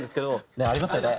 ねっありますよね。